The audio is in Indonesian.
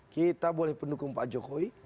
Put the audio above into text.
kita boleh pendukung pak jokowi